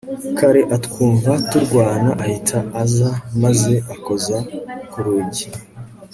kare atwumva turwana ahita aza maze akoze ku rugi